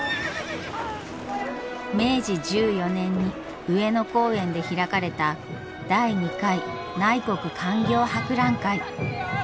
明治１４年に上野公園で開かれた第２回内国勧業博覧会。